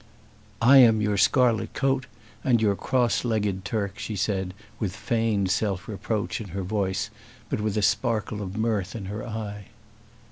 "I am your scarlet coat and your cross legged Turk," she said, with feigned self reproach in her voice, but with a sparkle of mirth in her eye.